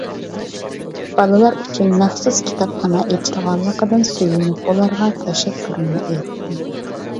بالىلار ئۈچۈن مەخسۇس كىتابخانا ئېچىلغانلىقىدىن سۆيۈنۈپ ئۇلارغا تەشەككۈرۈمنى ئېيتتىم.